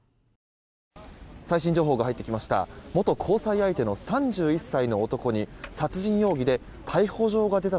最新情報が入ってきました。